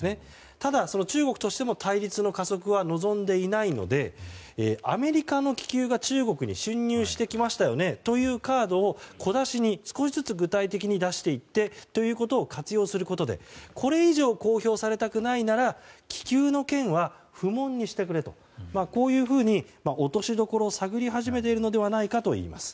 ただ、中国としても対立の加速は望んでいないのでアメリカの気球が中国に侵入してきましたよねというカードを小出しに、少しずつ具体的に出していってということを活用することでこれ以上公表されたくないなら気球の件は不問にしてくれというふうに落としどころを探り始めているのではないかといいます。